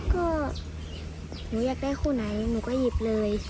ก็หนูอยากได้คู่ไหนหนูก็หยิบเลย